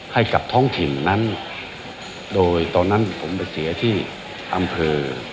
ให้กับท้องถิ่นนั้นโดยตอนนั้นผมไปเสียที่อำเภอ